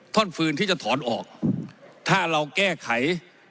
ท่อนฟืนที่จะถอนออกถ้าเราแก้ไข